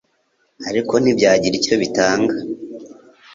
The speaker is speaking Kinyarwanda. ariko ntibyagira icyo bitanga